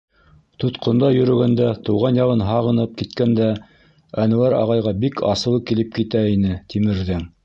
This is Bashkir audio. Тотҡонда йөрөгәндә тыуған яғын һағынып киткәндә Әнүәр ағайға бик асыуы килеп китә ине Тимерҙең.